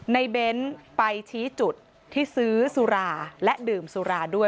เบ้นไปชี้จุดที่ซื้อสุราและดื่มสุราด้วย